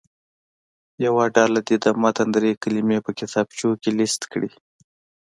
یوه ډله دې د متن دري کلمې په کتابچو کې لیست کړي.